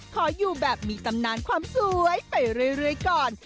ขออยู่แบบมีตำนานความสวยไปเรื่อยก่อน